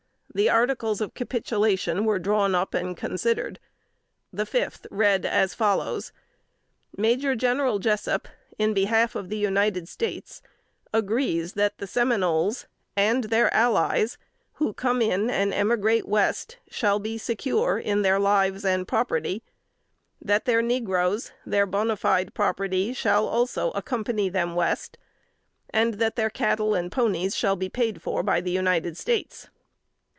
The articles of capitulation were drawn up and considered. The fifth reads as follows: "Major General Jessup, in behalf of the United States, agrees that the Seminoles and their allies, who come in and emigrate West, shall be secure in their lives and property; that their negroes, their bona fide property, shall also accompany them West; and that their cattle and ponies shall be paid for by the United States."